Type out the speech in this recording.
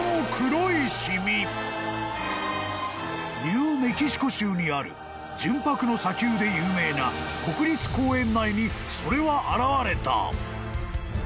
［ニューメキシコ州にある純白の砂丘で有名な国立公園内にそれは現れた］